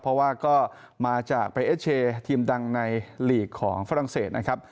เพราะว่าก็มาจากไปเอเชทีมดังในลีกของฝรั่งเศสนะครับ